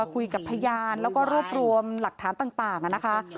คุยกับพยานแล้วก็รวบรวมหลักฐานต่างนะคะ